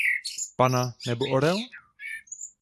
Panna, nebo orel?